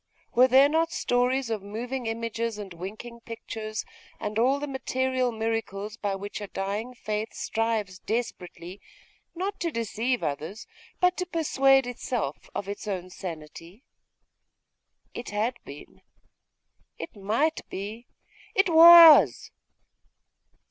Were there not stories of moving images, and winking pictures, and all the material miracles by which a dying faith strives desperately not to deceive others but to persuade itself of its own sanity? It had been it might be it was